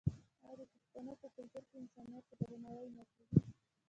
آیا د پښتنو په کلتور کې انسانیت ته درناوی نه کیږي؟